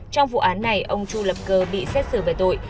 trong vụ án này ông chu lập cơ bị xét xử về tội